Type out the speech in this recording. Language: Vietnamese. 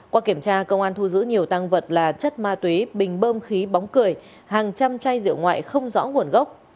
qua kiểm tra công an thu giữ nhiều tăng vật là chất ma túy bình bơm khí bóng cười hàng trăm chai rượu ngoại không rõ nguồn gốc